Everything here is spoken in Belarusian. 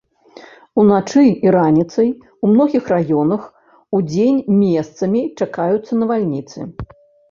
Уначы і раніцай у многіх раёнах, удзень месцамі чакаюцца навальніцы.